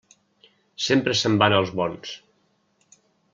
Sempre se'n van els bons.